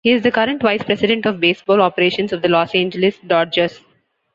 He is the current Vice President of Baseball Operations of the Los Angeles Dodgers.